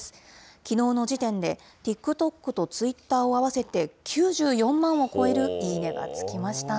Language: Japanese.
きのうの時点で、ＴｉｋＴｏｋとツイッターを合わせて９４万を超えるいいね！がつきました。